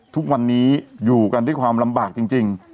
ทุกวันนี้อยู่กันด้วยความลำบากจริง